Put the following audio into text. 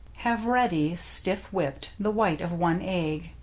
Have ready — stiff whipped — the white of one egg.